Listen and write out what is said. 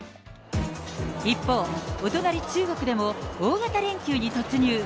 一方、お隣、中国でも大型連休に突入。